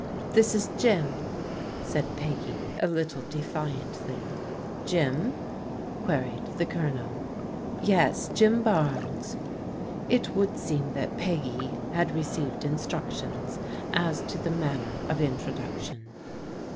" This is Jim," said Peggy a little defiantly. Jim ?" queried the Colonel. Yes, Jim Barnes." It would seem that Peggy had received instructions as to the manner of introduction.